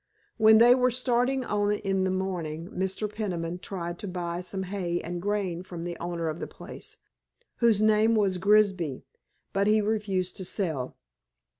When they were starting on in the morning Mr. Peniman tried to buy some hay and grain from the owner of the place, whose name was Grigsby, but he refused to sell.